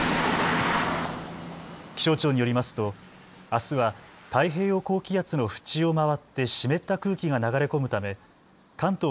気象庁によりますとあすは太平洋高気圧の縁を回って湿った空気が流れ込むため関東